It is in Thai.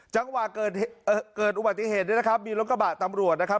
จังหวะเกิดอุบัติเหตุเนี่ยนะครับมีรถกระบะตำรวจนะครับ